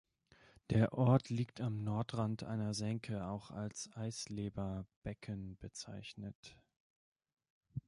Der Ort liegt am Nordrand einer Senke, auch als Eisleber Becken bezeichnet.